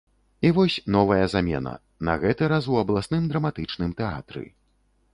І вось новая замена, на гэты раз у абласным драматычным тэатры.